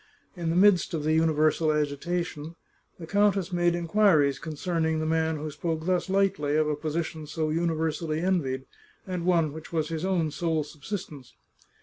In the midst of the universal agitation, the countess made inquiries concerning the man who spoke thus lightly of a position so universally envied, and one which was his own sole subsistence.